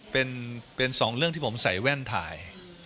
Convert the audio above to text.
เป็นสองเรื่องที่ผมใส่แว่นถ่าย